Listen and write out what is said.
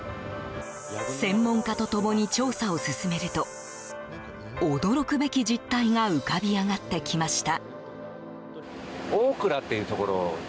専門家と共に調査を進めると驚くべき実態が浮かび上がってきました。